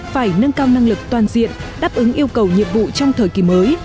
phải nâng cao năng lực toàn diện đáp ứng yêu cầu nhiệm vụ trong thời kỳ mới